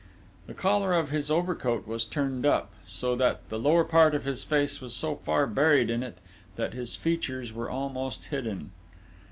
The collar of his overcoat was turned up, so that the lower part of his face was so far buried in it that his features were almost hidden.